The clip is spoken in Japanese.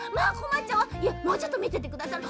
もうちょっとみててくださる？